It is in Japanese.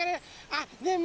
あっねえ